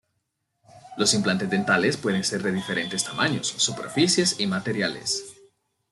Los implantes dentales pueden ser de diferentes tamaños, superficies y materiales.